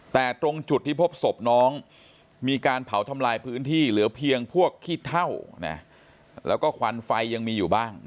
แต่ตรงจุดที่พบศพน้องมีการเผาทำลายพื้นที่เหลือเพียงพวกขี้เท่าเนี่ย